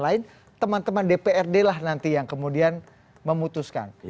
lain teman teman dprd lah nanti yang kemudian memutuskan